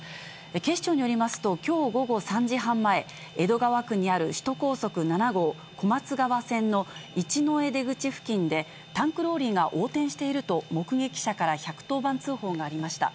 警視庁によりますと、きょう午後３時半前、江戸川区にある首都高速７号小松川線の一之江出口付近で、タンクローリーが横転していると、目撃者から１１０番通報がありました。